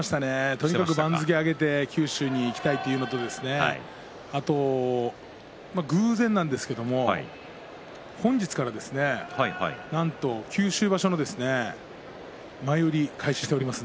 とにかく番付を上げて九州に近いということであと偶然なんですけど本日からなんと九州場所の前売りを開始しています。